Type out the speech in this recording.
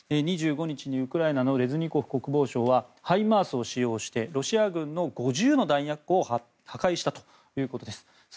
２５日にウクライナのレズニコフ国防相はハイマースを使用してロシア軍の５０の弾薬を破壊したということです。